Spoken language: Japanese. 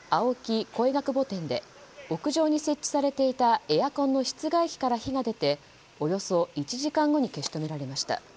恋ヶ窪店で屋上に設置されていたエアコンの室外機から火が出ておよそ１時間後に消し止められました。